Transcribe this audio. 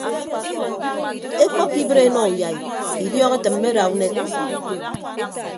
Ekpọkkọ ibịt enọ uyai idiọk etịmme ada unek.